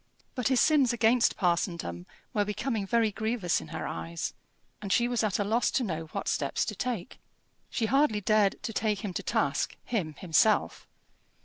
But his sins against parsondom were becoming very grievous in her eyes, and she was at a loss to know what steps to take. She hardly dared to take him to task, him himself.